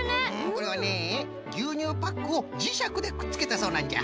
これはねぎゅうにゅうパックをじしゃくでくっつけたそうなんじゃ。